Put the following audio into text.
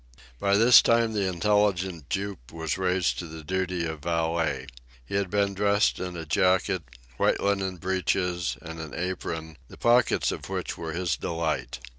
By this time the intelligent Jup was raised to the duty of valet. He had been dressed in a jacket, white linen breeches, and an apron, the pockets of which were his delight.